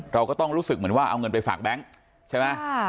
เราก็ต้องรู้สึกเหมือนว่าเอาเงินไปฝากแบงค์ใช่ไหม